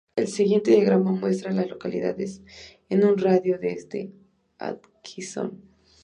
El siguiente diagrama muestra a las localidades en un radio de de Atkinson.